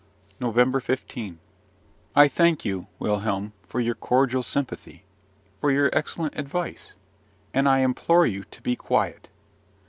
NOVEMBER 15. I thank you, Wilhelm, for your cordial sympathy, for your excellent advice; and I implore you to be quiet.